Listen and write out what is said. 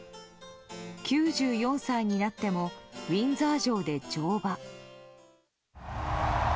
９４歳になってもウィンザー城で乗馬。